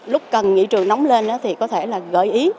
lúc cần nghỉ trường nóng lên thì có thể là gợi ý